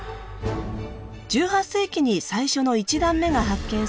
１８世紀に最初の１段目が発見され